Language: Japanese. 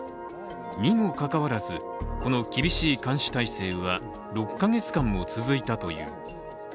にもかかわらず、この厳しい監視態勢は６か月間も続いたという。